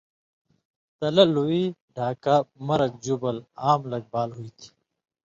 تلہ لُوئ، ڈھاکہ، مرگ، ژُبُل عام لَک بال ہُوئ تھی۔